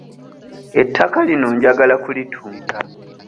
Ettaka lino njagala kulitunda.